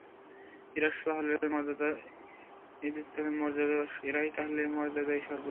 এরাই তাহলে মর্যাদায় সর্বোচ্চ?